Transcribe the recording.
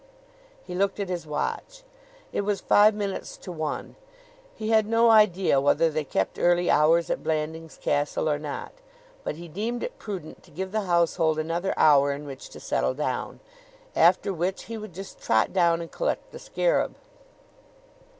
He looked at his watch. It was five minutes to one. He had no idea whether they kept early hours at Blandings Castle or not, but he deemed it prudent to give the household another hour in which to settle down. After which he would just trot down and collect the scarab.